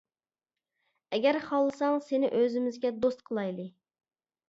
ئەگەر خالىساڭ، سېنى ئۆزىمىزگە دوست قىلايلى.